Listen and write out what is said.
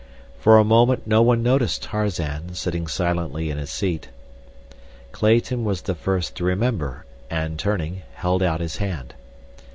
For a moment no one noticed Tarzan, sitting silently in his seat. Clayton was the first to remember, and, turning, held out his hand.